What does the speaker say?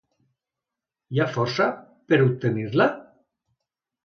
Hi ha força per obtenir-la?